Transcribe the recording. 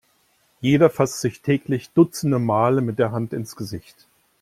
Jeder fasst sich täglich dutzende Male mit der Hand ins Gesicht.